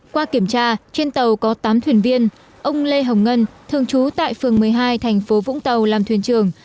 qua kiểm tra trên tàu có tám thuyền viên ông lê hồng ngân thường trú tại phường một mươi hai thành phố vũng tàu làm thuyền trưởng